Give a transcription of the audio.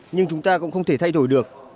nhưng chúng ta cũng không thể thay đổi được